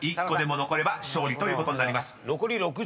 １個でも残れば勝利ということになります］